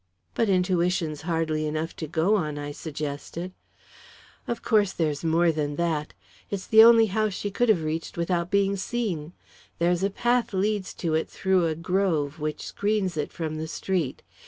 "But intuition's hardly enough to go on," I suggested. "Of course there's more than that. It's the only house she could have reached without being seen. There's a path leads to it through a grove which screens it from the street.